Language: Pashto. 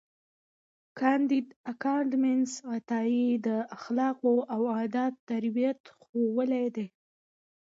کانديد اکاډميسن عطایي د اخلاقو او ادب ترکیب ښوولی دی.